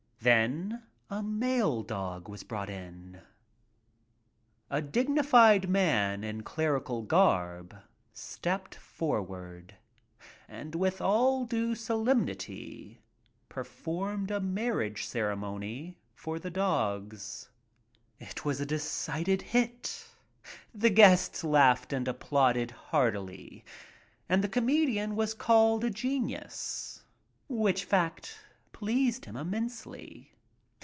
Then a male dog was brought in. A dignified man in clerical garb stepped for ward and with all due solemnity performed a mar riage ceremony for the dogs. It was a decided hit. The guests laughed and applauded heartily and the comedian was called a genius. Which fact pleased him immensely.